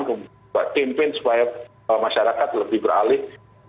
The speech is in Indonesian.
membuat campaign supaya masyarakat lebih beralih